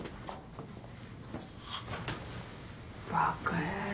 バカ野郎。